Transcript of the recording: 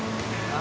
あ